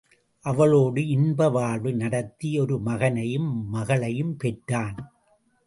அவளோடு இன்ப வாழ்வு நடத்தி ஒரு மகனையும் மகளையும் பெற்றான்.